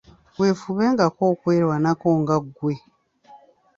Weefubengako okwerwanako nga ggwe.